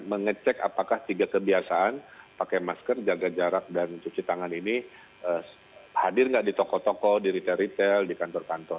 mengecek apakah tiga kebiasaan pakai masker jaga jarak dan cuci tangan ini hadir nggak di toko toko di retail retail di kantor kantor